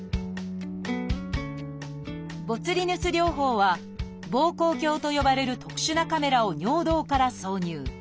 「ボツリヌス療法」は「ぼうこう鏡」と呼ばれる特殊なカメラを尿道から挿入。